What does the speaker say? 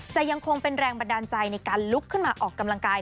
แต่ยังคงเป็นแรงบันดาลใจในการลุกขึ้นมาออกกำลังกาย